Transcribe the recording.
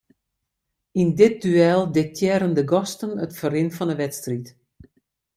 Yn dit duel diktearren de gasten it ferrin fan 'e wedstriid.